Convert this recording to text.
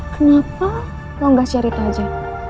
kenapa lo gak cerit aja